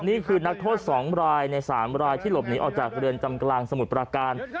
นี่คือนักโทษ๒รายใน๓รายที่หลบหนีออกจากเรือนจำกลางสมุทรประการ